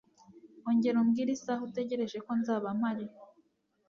Ongera umbwire isaha utegereje ko nzaba mpari.